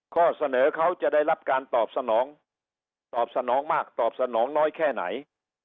ข้อเสนอเขาจะได้รับการตอบสนองตอบสนองมากตอบสนองน้อยแค่ไหน